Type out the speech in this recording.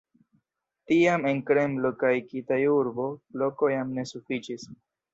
Tiam en Kremlo kaj Kitaj-urbo loko jam ne sufiĉis.